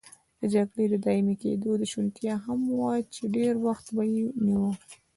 د جګړې د دایمي کېدو شونتیا هم وه چې ډېر وخت به یې نیوه.